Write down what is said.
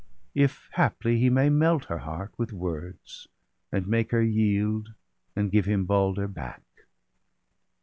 If haply he may melt her heart with words. And make her yield, and give him Balder back.'